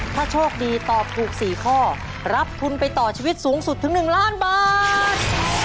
ถ้าโชคดีตอบถูก๔ข้อรับทุนไปต่อชีวิตสูงสุดถึง๑ล้านบาท